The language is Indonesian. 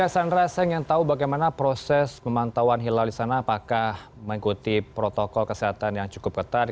sandra saya ingin tahu bagaimana proses pemantauan hilal di sana apakah mengikuti protokol kesehatan yang cukup ketat